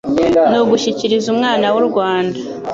Ni ugushyikiriza umwana w'u Rwanda